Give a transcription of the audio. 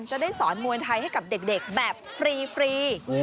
จะได้สอนมวยไทยให้กับเด็กแบบฟรี